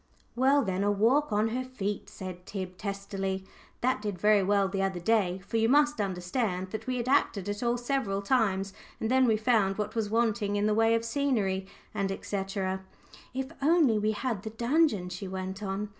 "Well, then, a walk on her feet," said Tib, testily; "that did very well the other day," for you must understand that we had acted it all several times, and then we found what was wanting in the way of scenery, &c. "If only we had the dungeon," she went on.